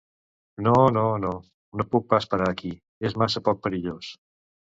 No, no, no, no puc pas parar aquí, és massa poc perillós.